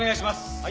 はい。